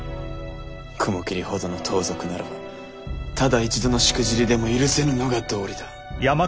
雲霧ほどの盗賊ならばただ一度のしくじりでも許せぬのが道理だ。